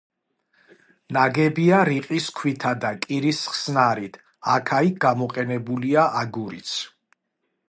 ნაგებია რიყის ქვითა და კირის ხსნარით, აქა-იქ გამოყენებულია აგურიც.